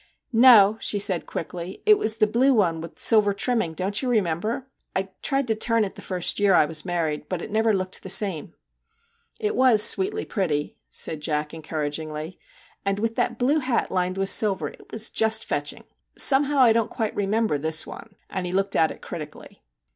'No/ she said quickly, 'it was the blue one with silver trimming, don't you remember? I tried to turn it the first year I was married, but it never looked the same/ ' It was sweetly pretty,' said Jack en 20 MR. JACK HAMLIN'S MEDIATION couragingly, 'and with that blue hat lined with silver, it was just fetching! Somehow I don't quite remember this one/ and he looked at it critically.